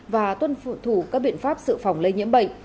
và tuân thủ các biện pháp sự phòng lây nhiễm bệnh